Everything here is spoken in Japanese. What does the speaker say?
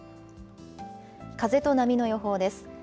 風と波の予報です。